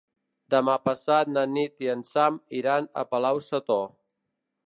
Demà passat na Nit i en Sam iran a Palau-sator.